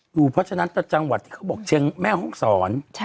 เพราะฉะนั้นแต่จังหวัดที่เขาบอกเชียงแม่ห้องศร